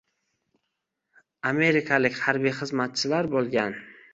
amerikalik harbiy xizmatchilar bo‘lgan.